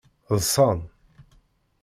Ḍsan.